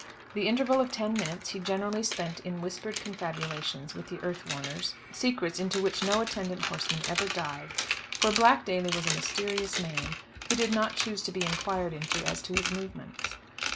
The interval of ten minutes he generally spent in whispered confabulations with the earth warners, secrets into which no attendant horseman ever dived; for Black Daly was a mysterious man, who did not choose to be inquired into as to his movements.